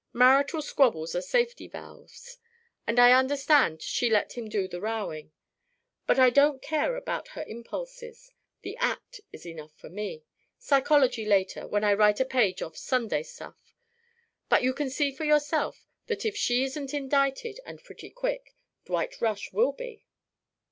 Marital squabbles are safety valves, and I understand she let him do the rowing. But I don't care about her impulses. The act is enough for me. Psychology later, when I write a page of Sunday stuff. But you can see for yourself that if she isn't indicted, and pretty quick, Dwight Rush will be?"